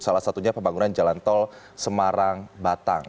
salah satunya pembangunan jalan tol semarang batang